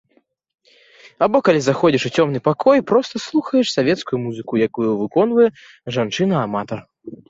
Або калі заходзіш у цёмны пакой і проста слухаеш савецкую музыку, якую выконвае жанчына-аматар.